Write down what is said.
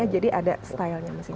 jadi ada stylenya masih masih